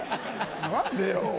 何でよ。